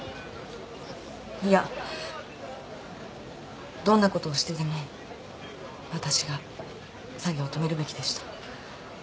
いやどんなことをしてでもわたしが作業止めるべきでした。